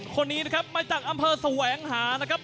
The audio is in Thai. คนนี้นะครับมาจากอำเภอแสวงหานะครับ